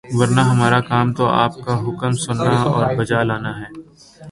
ورنہ ہمارا کام تو آپ کا حکم سننا اور بجا لانا ہے۔